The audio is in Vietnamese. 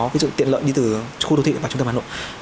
ví dụ tiện lợi đi từ khu đô thị vào trung tâm hà nội